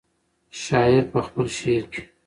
شاعر په خپل شعر کې.